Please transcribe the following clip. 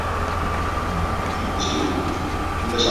噶哈巫语只有代词本身会依格位之不同而进行变格运作。